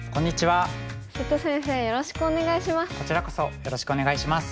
瀬戸先生よろしくお願いします。